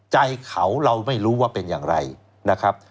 ใจเขาเราไม่รู้ว่าเป็นอย่างไรนะครับ